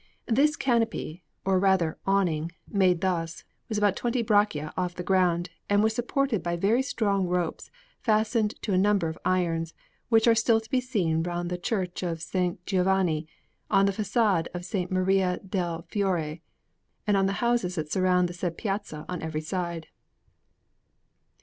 This canopy, or rather, awning, made thus, was about twenty braccia off the ground, and was supported by very strong ropes fastened to a number of irons, which are still to be seen round the Church of S. Giovanni, on the façade of S. Maria del Fiore, and on the houses that surround the said piazza on every side.